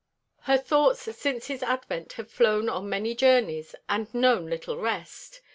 Her thoughts since his advent had flown on many journeys and known little rest.